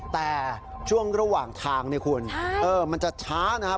แต่ช่วงระหว่างทางเนี่ยคุณมันจะช้านะครับ